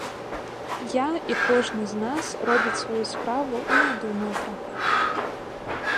Я, і кожны з нас, робіць сваю справу і не думае пра гэта.